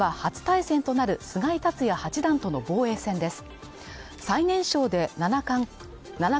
タイトル戦では初対戦となる菅井竜也八段との防衛戦です。